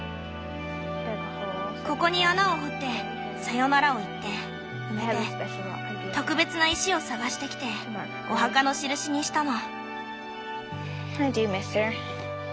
ここに穴を掘ってさよならを言って埋めて特別な石を探してきてお墓の印にしたの。